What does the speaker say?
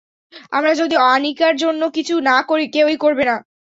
আমরা যদি আনিকার জন্য কিছু না করি, কেউই করবে না।